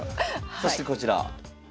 そしてこちら。